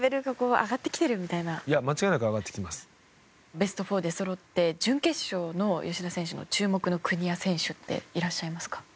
ベスト４が出そろって準決勝の、吉田選手の注目の国や選手っていらっしゃいますか。